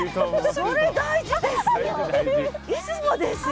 それ大事ですよ！